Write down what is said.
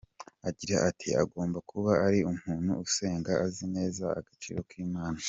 Agira ati "Agomba kuba ari umuntu usenga, azi neza agaciro k’Imana.